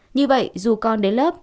như vậy dù con đến lớp